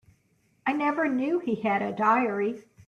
I never knew he had a diary.